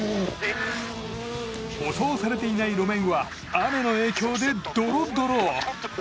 舗装されていない路面は雨の影響でドロドロ。